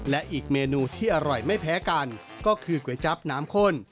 และอีกเมนูที่อร่อยไม่แพ้กันก็คือก๋วยจั๊บน้ำข้น